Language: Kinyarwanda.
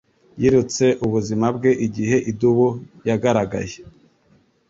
Yirutse ubuzima bwe igihe idubu yagaragaye.